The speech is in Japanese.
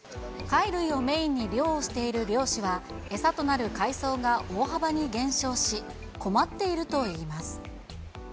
貝類をメインに漁をしている漁師は、餌となる海藻が大幅に減少し、困っているといいます。